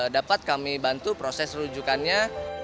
dapat kami bantu proses rujukannya